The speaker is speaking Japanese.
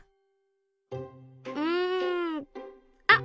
うん。あっ！